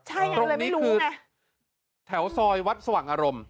ใช่ยังไม่รู้นะตรงนี้คือแถวซอยวัดสว่างอารมณ์